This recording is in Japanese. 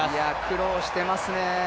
苦労していますね。